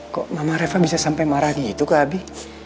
kok mama reva bisa sampai marah gitu ke abi